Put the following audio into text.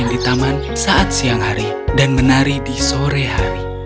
aku terbiasa bermain di taman saat siang hari dan menari di sore hari